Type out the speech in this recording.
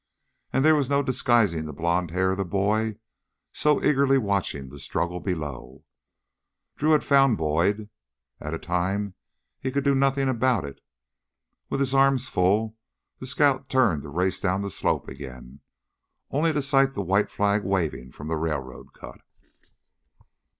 And there was no disguising the blond hair of the boy so eagerly watching the struggle below. Drew had found Boyd at a time he could do nothing about it. With his arms full, the scout turned to race down the slope again, only to sight the white flag waving from the railroad cut.